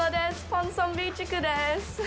ポンソンビー地区です。